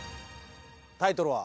タイトルは？